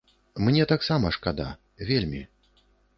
Мне таксама шкада, вельмі.